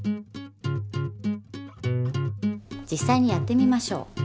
実さいにやってみましょう。